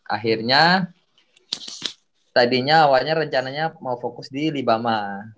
akhirnya tadinya awalnya rencananya mau fokus di libama